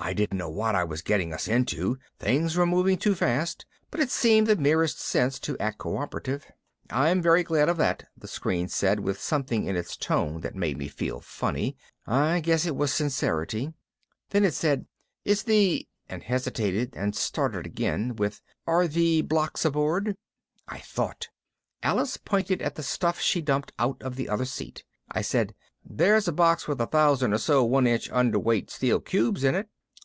I didn't know what I was getting us into, things were moving too fast, but it seemed the merest sense to act cooperative. "I'm very glad of that," the screen said with something in its tone that made me feel funny I guess it was sincerity. Then it said, "Is the " and hesitated, and started again with "Are the blocks aboard?" I thought. Alice pointed at the stuff she dumped out of the other seat. I said. "There's a box with a thousand or so one inch underweight steel cubes in it.